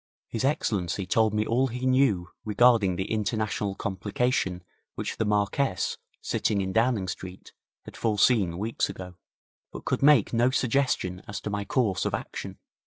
His Excellency told me all he knew regarding the international complication which the Marquess, sitting in Downing Street, had foreseen weeks ago, but could make no suggestion as to my course of action.